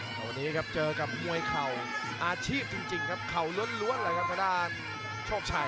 แต่วันนี้ครับเจอกับมวยเข่าอาชีพจริงครับเข่าล้วนเลยครับทางด้านโชคชัย